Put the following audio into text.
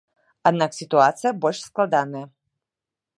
Аднак сітуацыя больш складаная.